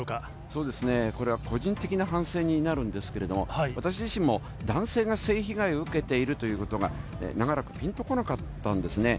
そうですね、これは個人的な反省になるんですけれども、私自身も、男性が性被害を受けているということが、長らく、ぴんとこなかったんですね。